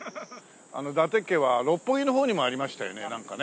伊達家は六本木の方にもありましたよねなんかね。